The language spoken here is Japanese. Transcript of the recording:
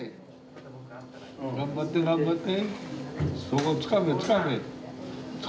頑張って頑張って。